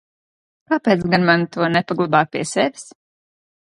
Kāpēc gan man to nepaglabāt pie sevis?